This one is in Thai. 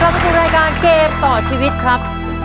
เข้าสู่รายการเกมต่อชีวิตครับ